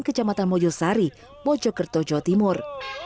kejamatan mojosari bojokerto jawa timur